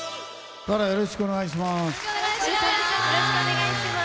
よろしくお願いします。